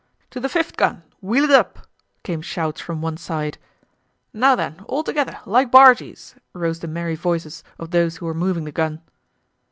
"To the fifth gun, wheel it up!" came shouts from one side. "Now then, all together, like bargees!" rose the merry voices of those who were moving the gun.